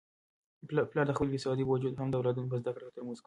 پلار د خپلې بې سوادۍ باوجود هم د اولادونو په زده کړو تمرکز کوي.